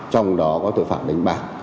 trong đó có tội phạm đánh bạc